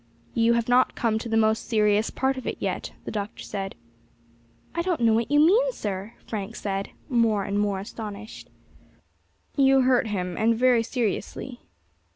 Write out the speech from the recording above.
"You have not come to the most serious part of it yet," the Doctor said. "I don't know what you mean, sir," Frank said, more and more astonished. "You hurt him, and very seriously."